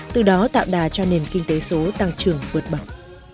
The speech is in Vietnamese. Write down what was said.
từ đó tạo đà cho nền kinh tế số tăng trường vượt bỏng